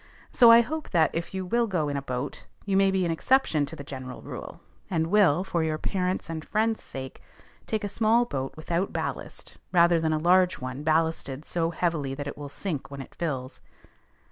So I hope that, if you will go in a boat, you may be an exception to the general rule, and will, for your parents' and friends' sake, take a small boat without ballast rather than a large one ballasted so heavily that it will sink when it fills.